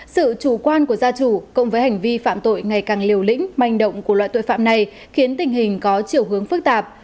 sự chủ quan của gia chủ cộng với hành vi phạm tội ngày càng liều lĩnh manh động của loại tội phạm này khiến tình hình có chiều hướng phức tạp